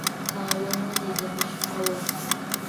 تاونه لیدمه، شپه وم